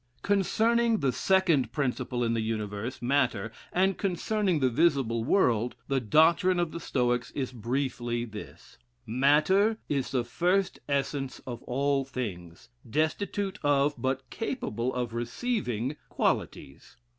Concerning the second principle in the universe, matter, and concerning the visible world, the doctrine of the Stoics is briefly this: Matter is the first essence of all things, destitute of, but capable of receiving, qualities.